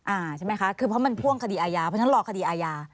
อ่าใช่ไหมคะคือเพราะมันพ่วงคดีอาญาเพราะฉะนั้นรอคดีอาญา